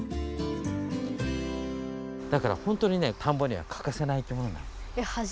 だからほんとにね田んぼには欠かせない生きものなんだ。